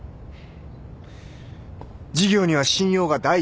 事業には信用が第一である。